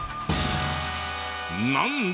なんだ？